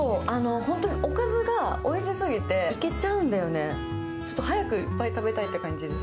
おかずがおいしすぎて、いけちゃうんだよね、早くいっぱい食べたいって感じです。